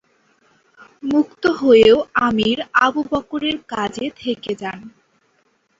মুক্ত হয়েও আমির আবু বকরের কাজে থেকে যান।